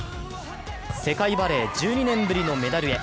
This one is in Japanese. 世界バレー１２年ぶりのメダルへ。